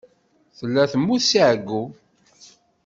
Tella temmut si εeyyu.